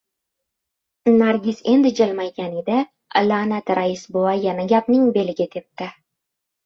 Nargis endi jilmaygan edi, la’nati Rais buva yana gapning beliga tepdi.